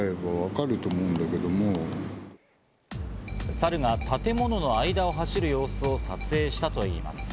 サルが建物の間を走る様子を撮影したといいます。